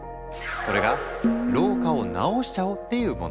それが老化を治しちゃおう！っていうもの。